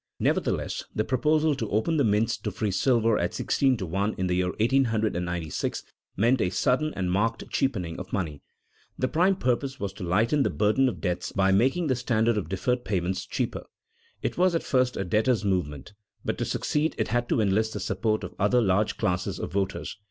Nevertheless, the proposal to open the mints to free silver at sixteen to one in the year 1896 meant a sudden and marked cheapening of money. The prime purpose was to lighten the burden of debts by making the standard of deferred payments cheaper. It was at first a debtors' movement, but to succeed it had to enlist the support of other large classes of voters.